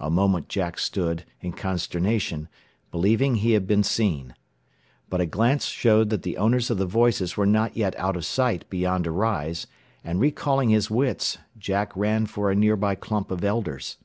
A moment Jack stood, in consternation, believing he had been seen. But a glance showed that the owners of the voices were yet out of sight beyond a rise, and recalling his wits, Jack ran for a nearby clump of elders.